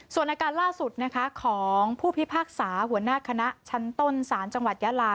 ส่วนอาการล่าสุดนะคะของผู้พิพากษาหัวหน้าคณะชั้นต้นศาลจังหวัดยาลา